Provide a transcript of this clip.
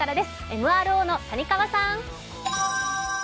ＭＲＯの谷川さん。